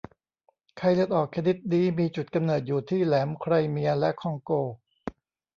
ไข้เลือดออกชนิดนี้มีจุดกำเนิดอยู่ที่แหลมไครเมียและในคองโก